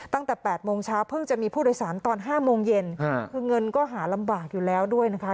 ตั้งแต่๘โมงเช้าเพิ่งจะมีผู้โดยสารตอน๕โมงเย็นคือเงินก็หาลำบากอยู่แล้วด้วยนะคะ